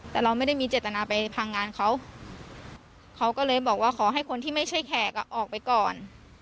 แต่เราไม่ได้มีเจตนาไปพังงานเขาเขาก็เลยบอกว่าขอให้คนที่ไม่ใช่แขกออกไปก่อน